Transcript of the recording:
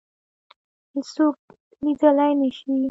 هیڅوک لیدلای نه شي